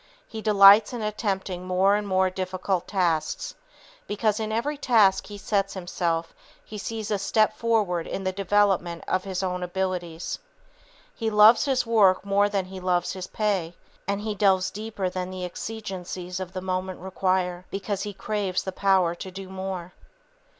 He delights in attempting more and more difficult tasks, because in every task he sets himself he sees a step forward in the development of his own abilities. He loves his work more than he loves his pay, and he delves deeper than the exigencies of the moment require, because he craves the power to do more.